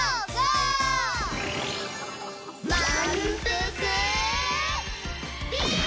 まんぷくビーム！